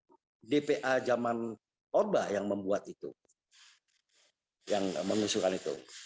ada dpa zaman orba yang membuat itu yang mengusulkan itu